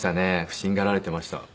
不審がられてました。